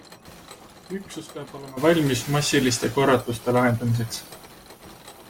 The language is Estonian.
Üksus peab olema valmis massiliste korratuste lahendamiseks.